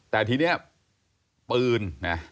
แต่ทีนี้ปืนนะ